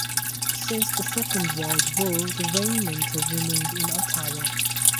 Since the Second World War, the regiment has remained in Ottawa.